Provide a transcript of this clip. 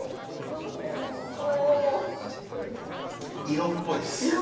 色っぽいっす。